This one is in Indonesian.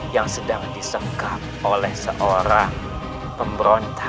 yang sedang disekap oleh seorang pemberontak